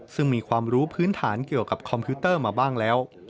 ซึ่งมีความรู้พื้นฐานเกี่ยวกับคอมพิวเตอร์มาบ้างแล้ว